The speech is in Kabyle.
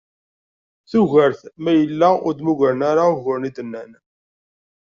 Tugart ma yella ur d-muggren ara uguren, i d-nnan.